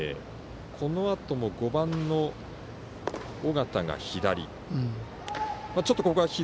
このあと、５番の尾形が左。